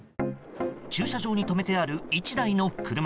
駐車場に止めてある１台の車。